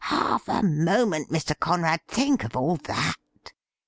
Half a moment, Mr. Conrad — think of all that